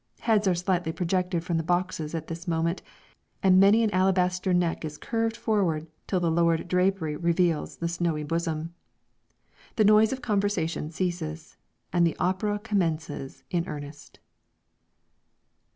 Heads are slightly projected from the boxes at this movement, and many an alabaster neck is curved forward till the lowered drapery reveals the snowy bosom. The noise of conversation ceases, and the opera commences in earnest.